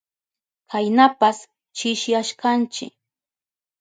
Kaynapas chishiyashkanchi.